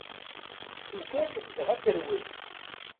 Tugad dɣa terwel.